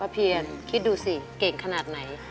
เพียรคิดดูสิเก่งขนาดไหน